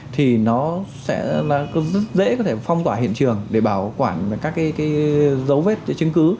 thì nó sẽ dễ có thể phong tỏa hiện trường để bảo quản các dấu vết chứng cứ